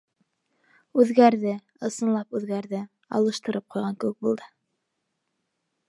Үҙгәрҙе, ысынлап үҙгәрҙе, алыштырып ҡуйған кеүек булды.